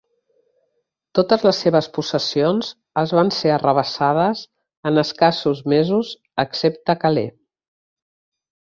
Totes les seves possessions els van ser arrabassades en escassos mesos excepte Calais.